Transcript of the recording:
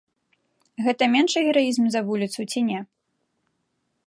Гэта меншы гераізм за вуліцу ці не?